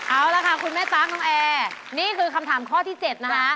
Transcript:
เอาละค่ะคุณแม่ตั๊กน้องแอร์นี่คือคำถามข้อที่๗นะคะ